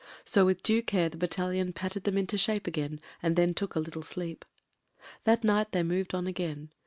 So with due care 305 306 MEN, WOMEN AND GUNS the battalion patted them into shape again and tben took a little sleep. That night they moved on again.